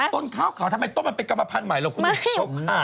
ต้นขาวทำไมต้นมันเป็นกรรมพันธ์ใหม่แล้วคุณผู้ชม